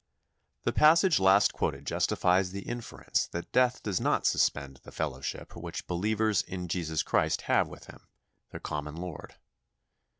The passage last quoted justifies the inference that death does not suspend the fellowship which believers in Jesus Christ have with Him, their common Lord.